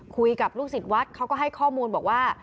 คุยกับลูกศิษย์วัดเขาก็ให้ข้อมูลบอกว่า